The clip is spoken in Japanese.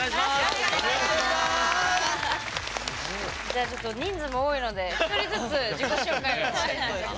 じゃあちょっと人数も多いので一人ずつ自己紹介を。